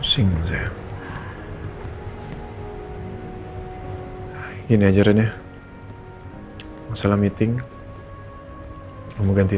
silahkan mbak mbak